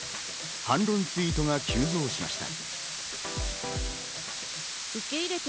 反論ツイートが急増しました。